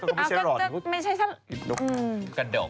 เขาไม่ใช้รอดเขาก็กระดก